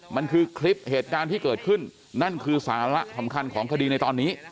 มันคือคลิปเหตุการณ์ที่เกิดขึ้นนั่นคือสาระสำคัญของคดีในตอนนี้